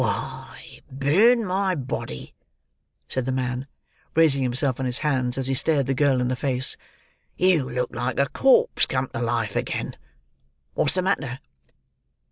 "Why, burn my body!" said the man, raising himself on his hands as he stared the girl in the face. "You look like a corpse come to life again. What's the matter?"